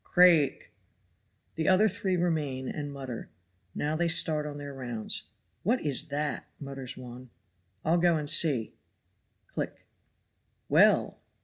Crake! The other three remain and mutter. Now they start on their rounds. "What is that?" mutters one. "I'll go and see." Click. "Well!"